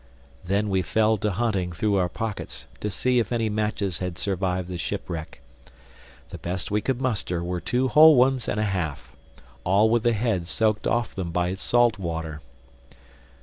Then we fell to hunting through our pockets to see if any matches had survived the shipwreck. The best we could muster were two whole ones and a half—all with the heads soaked off them by salt water.